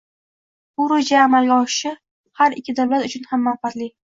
Bu reja amalga oshishi har ikki davlat uchun ham manfaatli